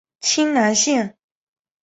清南线